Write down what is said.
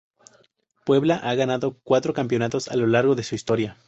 Puebla ha ganado cuatro campeonatos a lo largo de su historia.